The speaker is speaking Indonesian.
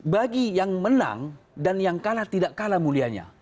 bagi yang menang dan yang kalah tidak kalah mulianya